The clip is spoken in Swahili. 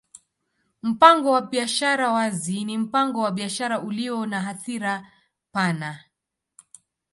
Mpango wa biashara wazi ni mpango wa biashara ulio na hadhira pana.